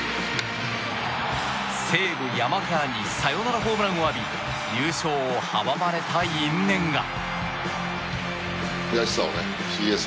西武、山川にサヨナラホームランを浴び優勝を阻まれた因縁が。